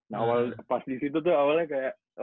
nah awal pas di situ tuh awalnya kayak